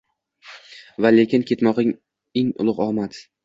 va lekin ketmog’ing – eng ulug’ omad.